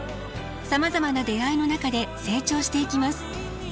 さまざまな出会いの中で成長していきます。